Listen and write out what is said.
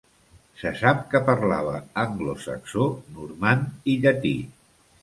Se sap que parlava anglosaxó, normand i llatí.